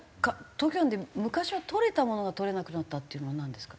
東京湾で昔はとれたものがとれなくなったっていうのはなんですか？